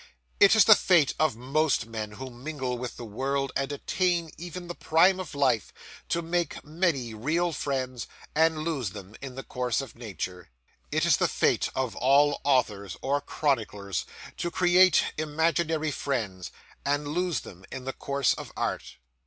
It is the fate of most men who mingle with the world, and attain even the prime of life, to make many real friends, and lose them in the course of nature. It is the fate of all authors or chroniclers to create imaginary friends, and lose them in the course of art.